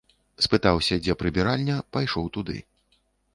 Спытаўся, дзе прыбіральня, пайшоў туды.